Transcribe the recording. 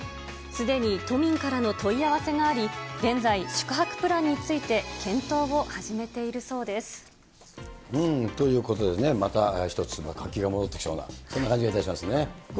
すでに都民からの問い合わせがあり、現在、宿泊プランについて検討を始めているそうです。ということでね、また一つ活気が戻ってきそうな、そんな感じがいたしますね。